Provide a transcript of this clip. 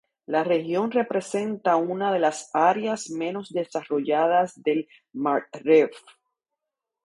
La región representa una de las áreas menos desarrolladas del Maghreb.